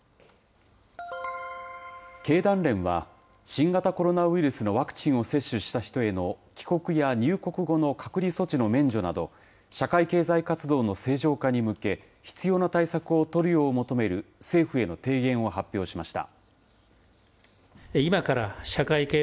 経団連は、新型コロナウイルスのワクチンを接種した人への、帰国や入国後の隔離措置の免除など、社会経済活動の正常化に向け、必要な対策を取るよう求める政府への提言を発表しました。